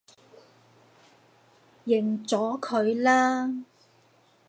認咗佢啦